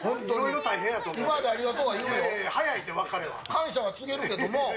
感謝は告げるけども。